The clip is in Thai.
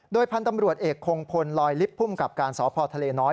โดยพันธุ์ตำรวจเอกโครงพลลอยลิฟท์พุ่มกับการศาลพอร์ทะเลน้อย